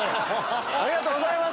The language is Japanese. ありがとうございます。